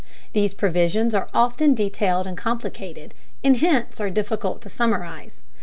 These provisions are often detailed and complicated and hence are difficult to summarize.